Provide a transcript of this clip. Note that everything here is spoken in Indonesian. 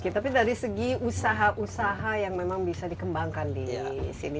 tapi dari segi usaha usaha yang memang bisa dikembangkan di sini